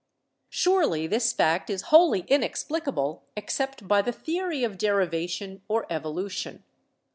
"Surely this fact is wholly inexplicable except by the theory of derivation or evolution.